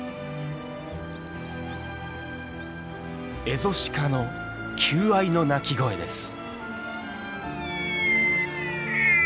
エゾシカの求愛の鳴き声です。